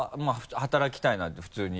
働きたいなって普通に？